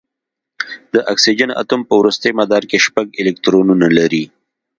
د اکسیجن اتوم په وروستي مدار کې شپږ الکترونونه لري.